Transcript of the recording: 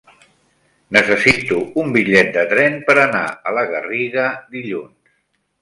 Necessito un bitllet de tren per anar a la Garriga dilluns.